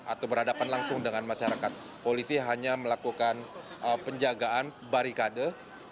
atau berhadapan langsung dengan masyarakat polisi hanya melakukan penjagaan barikade